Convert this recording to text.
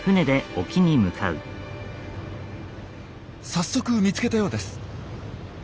早速見つけたようです。